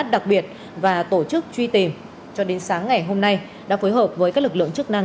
đặc biệt và tổ chức truy tìm cho đến sáng ngày hôm nay đã phối hợp với các lực lượng chức năng